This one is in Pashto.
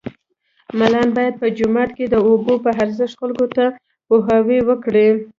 ملان باید په جوماتو کې د اوبو په ارزښت خلکو ته پوهاوی ورکړي